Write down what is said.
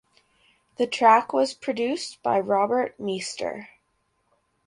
The track was produced by Robert Meister.